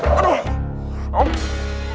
bukan tangan aku yang mau aku bersihin